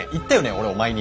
俺お前に。